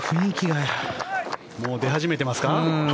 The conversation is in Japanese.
出始めていますか？